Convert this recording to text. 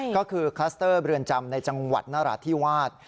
ก็คือคลัสเตอร์เรือนจำในจังหวัดนราธิวาส